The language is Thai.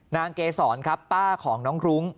เกษรครับป้าของน้องรุ้ง